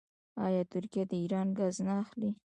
آیا ترکیه د ایران ګاز نه اخلي؟